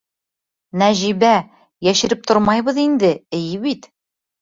Нәжибә, йәшереп тормайбыҙ инде, эйе бит?